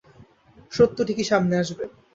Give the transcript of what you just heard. সত্য ঠিকই সামনে আসবে।